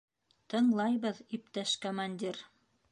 — Тыңлайбыҙ, иптәш командир.